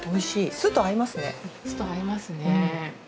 酢と合いますね。